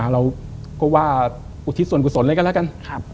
เราก็ว่าอุทิศส่วนกุศลอะไรกันแล้วกัน